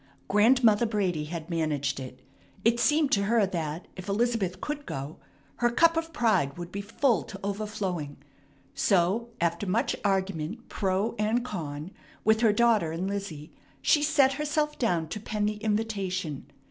Grandmother Brady had managed it. It seemed to her that, if Elizabeth could go, her cup of pride would be full to overflowing; so after much argument, pro and con, with her daughter and Lizzie, she set herself down to pen the invitation.